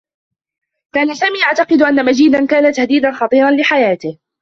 كان سامي يعتقد أنّ مجيدا كان تهديدا خطيرا لحياته.